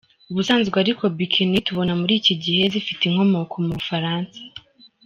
Ubusanzwe ariko Bikini tubona muri iki gihe zifite inkomoko mu Bufaransa.